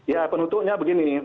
ya penutupnya begini